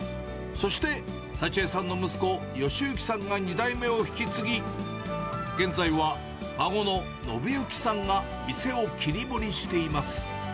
そして、幸恵さんの息子、義之さんが２代目を引き継ぎ、現在は孫の信之さんが店を切り盛